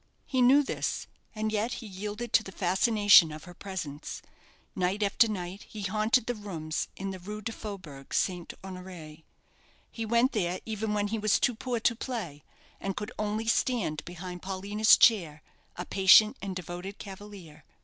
He knew this, and yet he yielded to the fascination of her presence. Night after night he haunted the rooms in the Rue du Faubourg, St. Honoré. He went there even when he was too poor to play, and could only stand behind Paulina's chair, a patient and devoted cavalier.